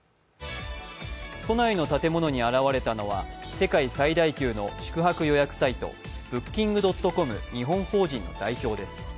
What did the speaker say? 都内に建物に現れたのは世界最大級の宿泊予約サイトＢｏｏｋｉｎｇ．ｃｏｍ日本法人の代表です。